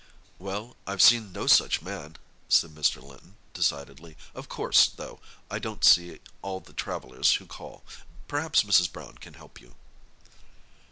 "Well, I've seen no such man," said Mr. Linton decidedly—"of course, though, I don't see all the 'travellers' who call. Perhaps Mrs. Brown can help you."